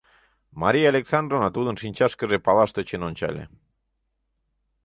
Мария Александровна тудын шинчашкыже палаш тӧчен ончале.